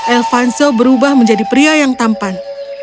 elvanso berubah menjadi pria yang tampan